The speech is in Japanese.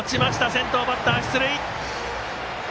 先頭バッター出塁。